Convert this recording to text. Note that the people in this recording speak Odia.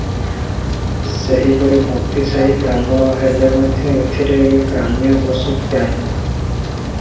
ସେହିପରି ତନ୍ତୀସାହି ଗ୍ରାମ ହେଲେ ମଧ୍ୟ ଏଥିରେ ଗ୍ରାମ୍ୟ ପଶୁ କିହିଁ ।